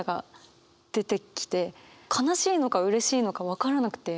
悲しいのかうれしいのか分からなくて。